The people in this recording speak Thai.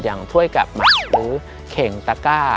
อย่างถ้วยกับหมักหรือเข่งตะก้า